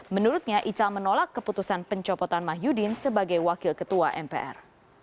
menurutnya ical menolak keputusan pencopotan mahyudin sebagai wakil ketua mpr